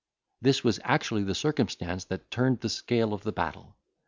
This was actually the circumstance that turned the scale of battle.